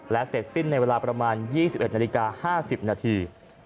และเสร็จสิ้นในเวลาประมาณ๒๑นาฬิกา๕๐นาที